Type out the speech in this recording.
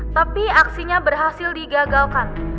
tapi aksinya berhasil digagalkan